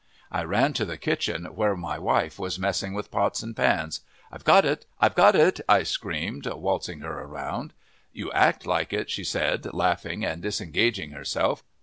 I ran to the kitchen, where my wife was messing with pots and pans. "I've got it, I've got it!" I screamed, waltzing her around. "You act like it," she said, laughing and disengaging herself.